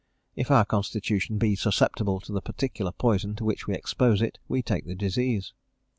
If our constitution be susceptible of the particular poison to which we expose it, we take the disease.